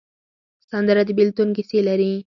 سندره د بېلتون کیسې لري